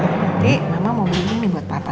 nanti mama mau beli mie buat papa